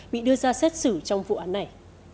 bị đưa ra xét xử trong vụ án này